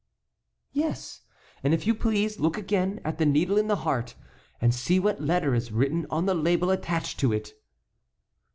"Yes, and, if you please, look again at the needle in the heart, and see what letter is written on the label attached to it."